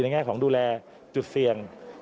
แง่ของดูแลจุดเสี่ยง